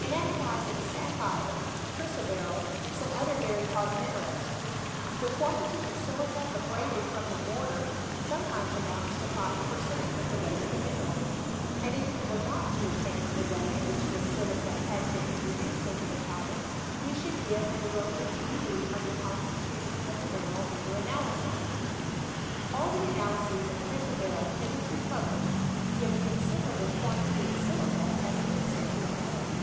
In analyzing sap* phire, chrysoberyl, and some other very hard mine rals, the quantity of silica abraded from the mortar iM)metimes amounts to five per cent, of the weight of the mineral ; and if we were not to attend to the way in which this silica has been introduced into the powder, we should give an erroneous view of the con^ stitution of the mineral under analysis. All the analyses of chrysoberyl hitherto published, give a considerable quantity of silica as a constituent of it.